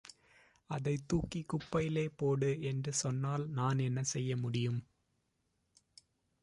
அதைத் தூக்கிக் குப்பையிலே போடு என்று சொன்னால் நான் என்ன செய்ய முடியும்.